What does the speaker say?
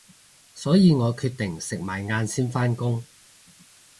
所以我決定食埋晏先返工